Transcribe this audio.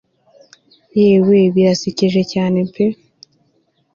yewe birasekeje cyane pe